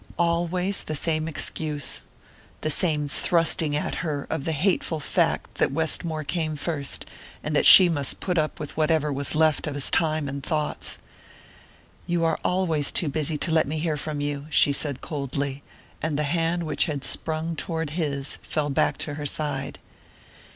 Always the same excuse! The same thrusting at her of the hateful fact that Westmore came first, and that she must put up with whatever was left of his time and thoughts! "You are always too busy to let me hear from you," she said coldly, and the hand which had sprung toward his fell back to her side.